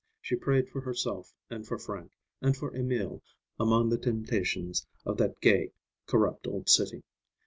She prayed for herself and for Frank, and for Emil, among the temptations of that gay, corrupt old city.